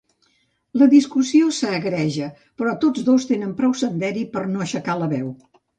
La discussió s'agreja, però tots dos tenen prou senderi per no aixecar la veu.